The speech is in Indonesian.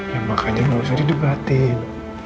ya makanya nggak usah didebatin